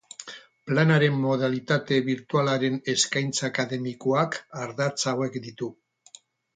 Planaren modalitate birtualaren eskaintza akademikoak ardatz hauek ditu.